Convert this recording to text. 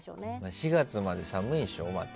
４月まで寒いんでしょうね。